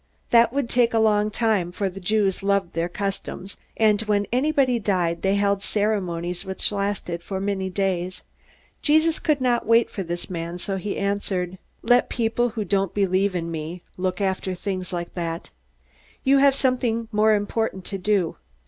That would take a long time, for the Jews loved their customs, and when anybody died they held ceremonies which lasted for many days. Jesus could not wait for this man, so he answered: "Let people who don't believe in me look after things like that. You have something more important to do.